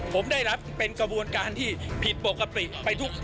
ผมได้รับเป็นกระบวนการที่ผิดปกติไปทุก